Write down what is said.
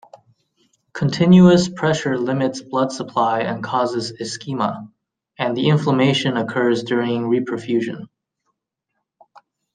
Continuous pressure limits blood supply and causes ischemia, and the inflammation occurs during reperfusion.